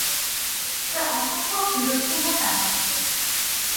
সে অসম্ভব বিরক্তি নিয়ে তাকাচ্ছে।